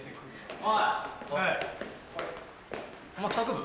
おいお前帰宅部？